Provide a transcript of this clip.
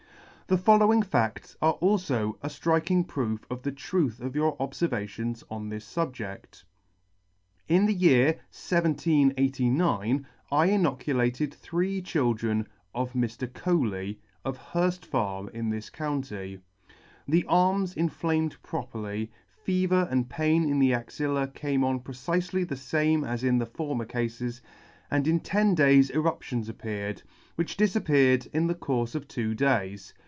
" The following fadts are alfo a ffriking proof of the truth of your obfervations on this fubject :" In the year 1789 I inoculated three children of Mr. Coaley, of Hurft farm in this county. The arms inflamed properly, fever and pain in the axilla came on precifely the fame as in the former cafes, and in ten days eruptions appeared, which difap peared in the courfe of two days.